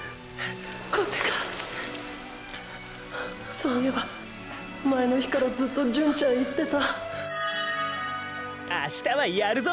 そういえば前の日からずっと純ちゃん言ってた明日はやるぞ！